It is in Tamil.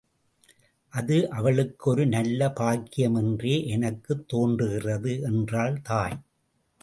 அது அவளுக்கு ஒரு நல்ல பாக்கியம் என்றே எனக்குத் தோன்றுகிறது என்றாள் தாய்.